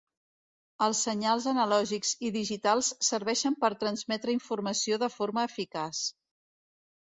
Els senyals analògics i digitals serveixen per transmetre informació de forma eficaç.